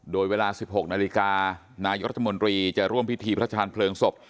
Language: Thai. โดยเวลา๑๖นาฬิกานายกรัฐมนตรีจะร่วมพิธีพระชาญเพลิงศพ